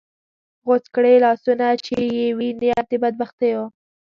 غوڅ کړې لاس چې یې وي نیت د بدبختیو